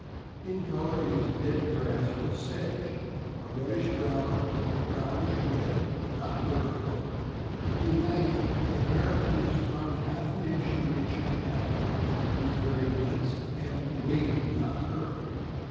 In color it is dead grass or sedge, a reddish brown or brownish red — not liver color. In length the hair is from half an inch to an inch and a half; is very dense and wavy — not curly.